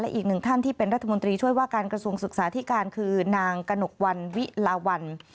และอีกหนึ่งท่านที่เป็นรัฐมนตรีว่าการกระสวงศึกษาธิการคือนางกนกวันวิลาวัน